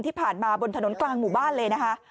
ที่ผ่านมาบนถนนกลางหมู่บ้านเลยนะคะ